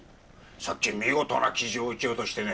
さっき見事なキジを撃ち落としてね。